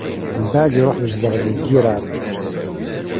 Mbeɛd iṛuḥ izdeɣ di Girar.